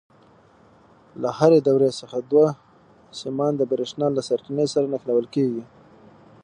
له هرې دورې څخه دوه سیمان د برېښنا له سرچینې سره نښلول کېږي.